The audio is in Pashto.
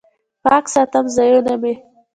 پاک ساتم ځایونه مې